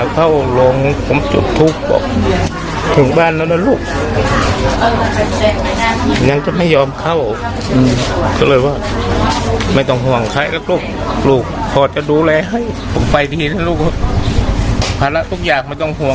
ภาระทุกอย่างไม่ต้องห่วงลูกป่านสบายแล้ว